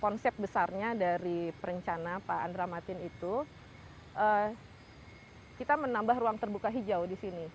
konsep besarnya dari perencana pak andra matin itu kita menambah ruang terbuka hijau di sini